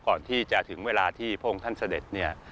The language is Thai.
ก่อนที่จะถึงเวลาที่พระองค์ท่านเสด็จเนี่ย